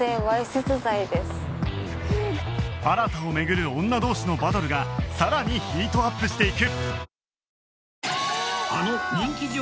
新を巡る女同士のバトルがさらにヒートアップしていく